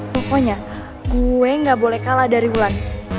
pokoknya gue gak boleh kalah dari bulan